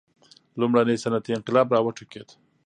لومړنی صنعتي انقلاب را وټوکېد.